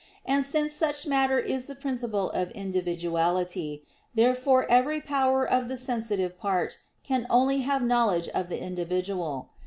And since such matter is the principle of individuality, therefore every power of the sensitive part can only have knowledge of the individual.